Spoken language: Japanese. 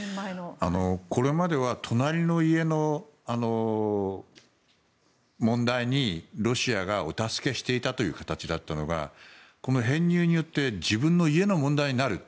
これまでは隣の家の問題にロシアがお助けしていたという形だったのが、編入によって自分の家の問題になる。